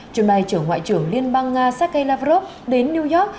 trường đại trưởng ngoại trưởng liên bang nga sergei lavrov đến new york